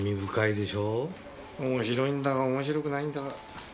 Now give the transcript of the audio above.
面白いんだか面白くないんだか。